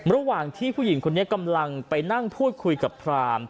ระหว่างที่ผู้หญิงคนนี้กำลังไปนั่งพูดคุยกับพราม